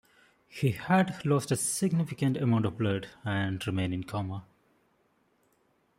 He had lost a significant amount of blood and remained in a coma.